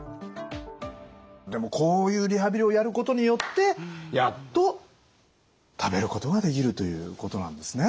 でもこういうリハビリをやることによってやっと食べることができるということなんですね。